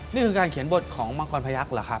นี่คือการเขียนบทของมังกรพยักษ์เหรอครับ